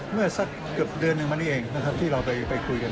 เมื่อสักเกือบเดือนหนึ่งมานี้เองนะครับที่เราไปคุยกัน